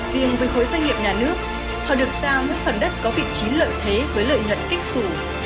riêng với khối doanh nghiệp nhà nước họ được giao những phần đất có vị trí lợi thế với lợi nhuận kích thủ